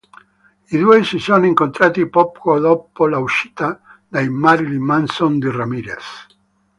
I due si sono incontrati poco dopo l'uscita dai Marilyn Manson di Ramirez.